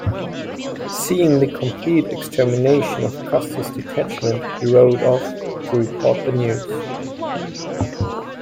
Seeing the complete extermination of Custer's detachment, he rode off to report the news.